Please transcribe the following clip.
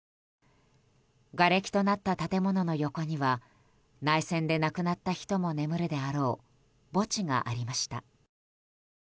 がれきとなった建物の横には内戦で亡くなった人も眠るであろう墓地がありました。